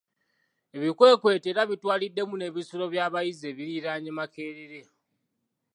Ebikwekweto era bitwaliddemu n'ebisulo by'abayizi ebiriraanye Makerere.